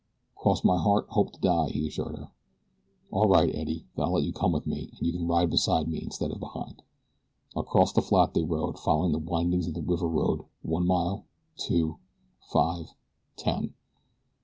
"Cross my heart hope to die," he assured her. "All right, Eddie, then I'll let you come with me, and you can ride beside me, instead of behind." Across the flat they rode, following the windings of the river road, one mile, two, five, ten.